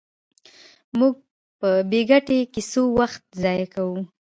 موږ په بې ګټې کیسو وخت ضایع کوو.